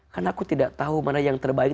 karena aku tidak tahu mana yang terbaik